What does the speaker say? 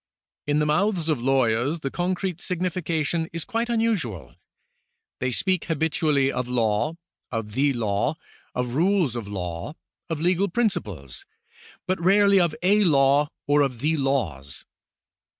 In the mouths of lawyers the concrete signification is quite unusual. They speak habitually of law, of the law, of rules of law, of legal principles, but rarely of a law or of the laws.